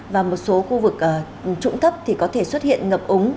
và một số khu vực trụng thấp thì có thể xuất hiện ngập ống